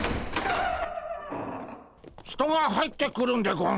人が入ってくるんでゴンスか？